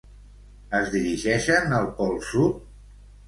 Es dirigeixen al Pol Sud?